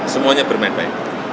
semuanya bermain baik